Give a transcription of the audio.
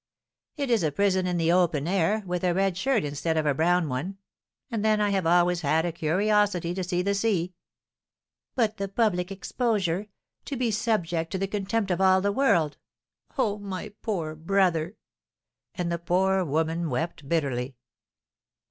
"It is a prison in the open air, with a red shirt instead of a brown one; and then I have always had a curiosity to see the sea!" "But the public exposure! To be subject to the contempt of all the world! Oh, my poor brother!" And the poor woman wept bitterly.